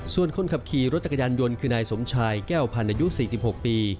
ส่วนคนขับขี่รถจักรยานยนต์คือนายสมชายแก้วพันธ์อายุ๔๖ปี